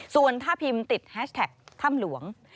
ส่วนถ้าพิมพ์ติดแฮชแท็กถ้ำหลวง